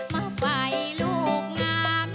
มาไฟลูกงาม